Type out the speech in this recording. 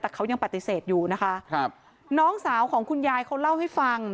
แต่เขายังปฏิเสธอยู่นะคะครับน้องสาวของคุณยายเขาเล่าให้ฟัง